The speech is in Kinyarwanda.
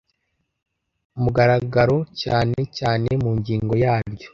mugaragaro cyane cyane mu ngingo yaryo